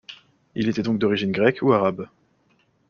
Il était donc d'origine grecque ou arabe.